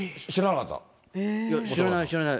知らない知らない。